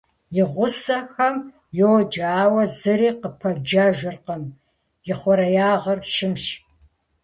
И гъусэхэм йоджэ, ауэ зыри къыпэджэжыркъым, ихъуреягъыр щымщ.